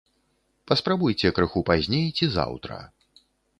Паспрабуйце крыху пазней ці заўтра.